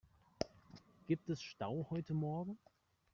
Gibt es Stau heute morgen?